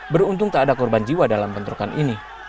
beruntung tak ada korban jiwa dalam bentrokan ini